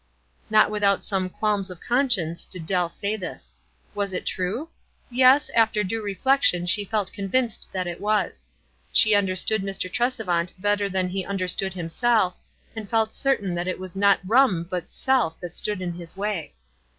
Not without some qualms of conscience did Dell say this. Was it true? Yes; after due reflection she felt convinced that it was. She understood Mr. Tresevant better than he under stood himself, and felt certain that it was not rum but self that stood in his way.